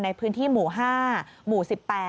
ในพื้นที่หมู่๕หมู่๑๘